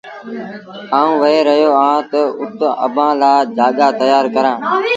آئوٚنٚ وهي رهيو اهآنٚ تا اُت اڀآنٚ لآ جآڳآ تيآر ڪرآݩٚ۔